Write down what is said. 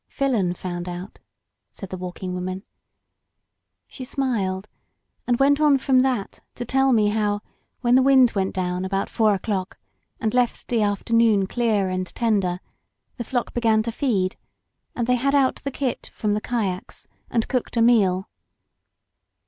Filon found out," said the Walking Woman. She smiled; and went on from that to tell me how, when the wind went down about four o'clock and left the afternoon clear and tender, the flock began to feed, and they had out the kit from the cayaques, and cooked a meal.